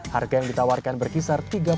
harga yang ditawarkan berkisar